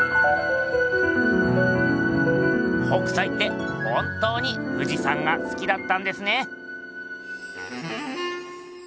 北斎って本当に富士山がすきだったんですね。